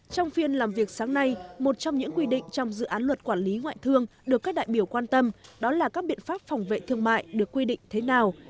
trong phiên làm việc sáng nay một trong những quy định trong dự án luật quản lý ngoại thương được các đại biểu quan tâm đó là các biện pháp phòng vệ thương mại được quy định thế nào